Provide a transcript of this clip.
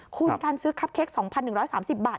คุณการซื้อคับเค้ก๒๑๓๐บาท